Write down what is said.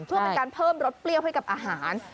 เพื่อเป็นการเพิ่มรสเปรี้ยวให้กับอาหาร